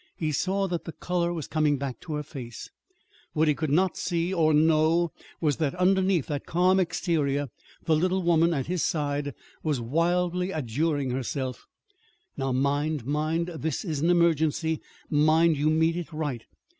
He saw that the color was coming back to her face what he could not see or know was that underneath that calm exterior the little woman at his side was wildly adjuring herself: "Now, mind, mind, this is an emergency. Mind you meet it right!"